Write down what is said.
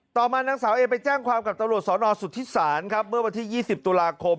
ต่อมานางสาวเอไปแจ้งความกับตำรวจสนสุธิศาลครับเมื่อวันที่๒๐ตุลาคม